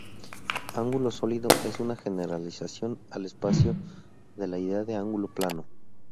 Ángulo sólido es una generalización, al espacio, de la idea de ángulo plano.